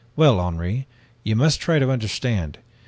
'Well, Henri, you must try to understand.